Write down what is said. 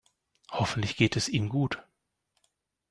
Hoffentlich geht es ihm gut.